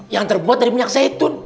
yang terbuat dari minyak zaitun